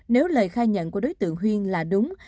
nếu lời khai nhận của đối tượng huyên là đúng